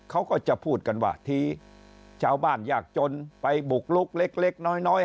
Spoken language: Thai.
เขาก็จะพูดกันว่าทีชาวบ้านยากจนไปบุกลุกเล็กน้อย